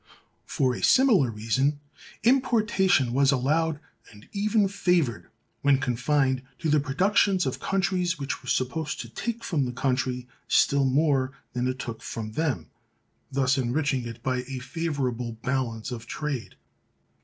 For a similar reason importation was allowed and even favored, when confined to the productions of countries which were supposed to take from the country still more than it took from them, thus enriching it by a favorable balance of trade.